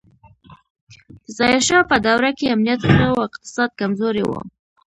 د ظاهر شاه په دوره کې امنیت ښه و خو اقتصاد کمزوری و